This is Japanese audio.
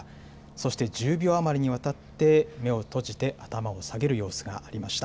そして１０秒余りにわたって目を閉じて、頭を下げる様子がありました。